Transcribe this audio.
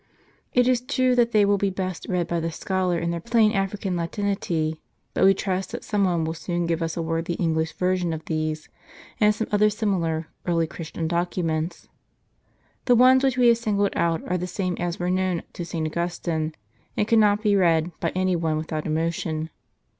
It is true that they will be best read by the scholar in their plain African latinity ; but we trust that some one will soon give us a worthy English version of these, and some other similar, early Christian docu ments. The ones which we have singled out are the same as were known to St. Augustine, and cannot be i ead by any one without emotion.